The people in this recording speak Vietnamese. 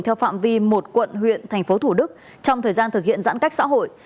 theo phạm vi một quận huyện tp thủ đức trong thời gian thực hiện giãn cách xã hội